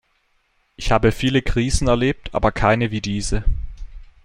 Ich habe viele Krisen erlebt, aber keine wie diese.